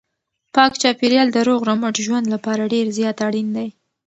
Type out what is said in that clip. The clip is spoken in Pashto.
پاک چاپیریال د روغ رمټ ژوند لپاره ډېر زیات اړین دی.